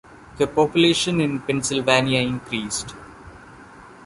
The population in Pennsylvania increased.